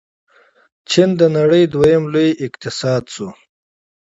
چین د نړۍ دویم لوی اقتصاد شو.